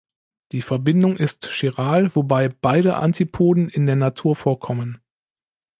Die Verbindung ist chiral, wobei beide Antipoden in der Natur vorkommen.